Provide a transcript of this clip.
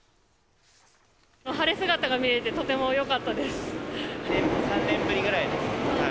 晴れ姿が見れて、とてもよか３年ぶりぐらいです。